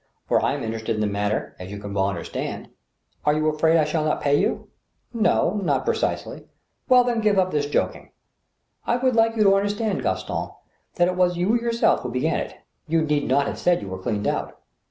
For I am inter ested in the matter, as you can well understand." Are you afraid I shall not pay you ?"" No — ^not precisely." " Well, then, give up this joking." « I would like you to understand, Gaston, that it was you your self who began it. You need not have said you were cleaned out."